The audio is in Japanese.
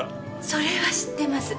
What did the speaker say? それは知ってます。